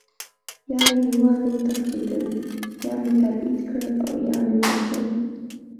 یا له هېواده وتښتېدل، یا مې تبعید کړل او یا مې ووژل.